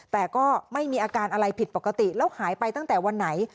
แต่ก็ไม่มีอาการอะไรผิดปกติแล้วหายไปตั้งแต่วันไหน